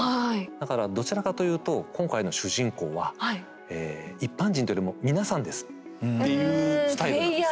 だからどちらかというと今回の主人公は一般人っていうよりも「皆さん」ですっていうスタイルなんです